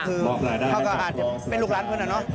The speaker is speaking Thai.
คือเขาก็อาจจะเป็นลูกหลานเพื่อนอะเนาะ